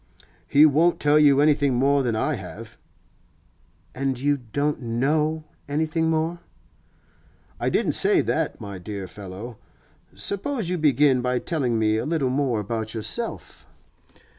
'He won't tell you anything more than I have.' 'And you don't know anything more?' 'I didn't say that, my dear fellow. Suppose you begin by telling me a little more about yourself?